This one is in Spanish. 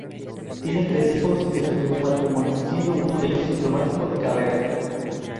Tiene tres hijos de su primer matrimonio, siendo uno de ellos diplomático de carrera.